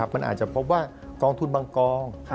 มันอาจจะพบว่ากองทุนบางกอง